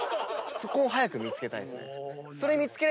そこを早く見つけたいですね。